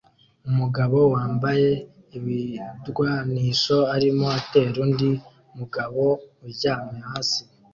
Umugabo wambaye ibirwanisho arimo atera undi mugabo uryamye hasi